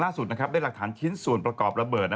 ล่าสุดนะครับได้หลักฐานชิ้นส่วนประกอบระเบิดนะ